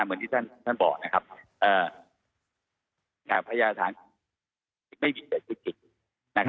เหมือนที่ท่านท่านบอกนะครับเอ่อภายาฐานไม่มีเกิดขึ้นจริงนะครับ